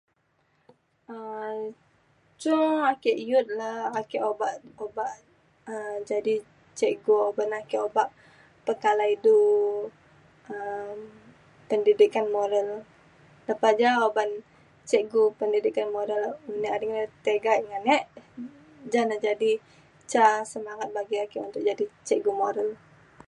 um cung ake i’ut le ake obak obak um jadi cikgu ban ake obak pekalai du um pendidikan moral. Lepa ja uban cikgu pendidikan moral me ading tiga e ngan e ja na jadi ca semangat bagi ake untuk jadi cikgu moral.